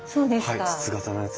はい筒形のやつ。